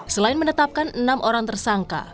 selain menetapkan enam orang tersangka